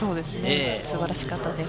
素晴らしかったです。